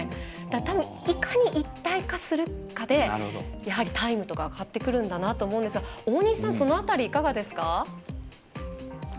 たぶん、いかに一体化するかでタイムとか変わってくるんだなと思うんですが、大西さんその辺り、いかがですか？